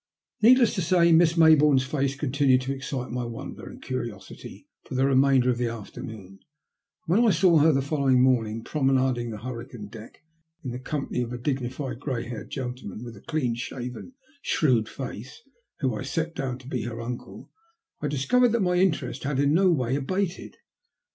Needless to say, Miss Mayboume's face continued to excite my wonder and curiosity for the remainder of the afternoon ; and when I saw her the following morning promenading the hurricane deck in the company of a dignified grey haired gentleman, with a clean shaven, shrewd face, who I set down to be her uncle, I discovered that my interest had in no way abated.